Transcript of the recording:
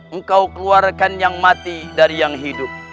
engkau keluarkan yang mati dari yang hidup